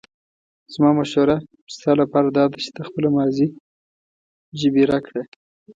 زموږ مشوره ستا لپاره داده چې ته خپله ماضي جبیره کړه.